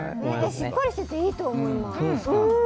しっかりしてていいと思います。